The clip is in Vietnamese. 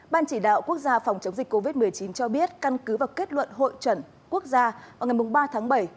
ban chỉ đạo quốc gia phòng chống dịch covid một mươi chín cho biết căn cứ vào kết luận hội trần quốc gia vào ngày ba tháng bảy